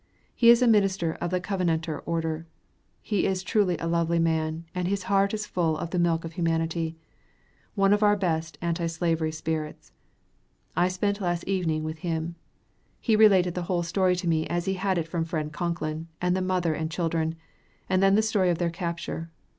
He is a minister of the Covenanter order. He is truly a lovely man, and his heart is full of the milk of humanity; one of our best Anti Slavery spirits. I spent last evening with him. He related the whole story to me as he had it from friend Concklin and the mother and children, and then the story of their capture.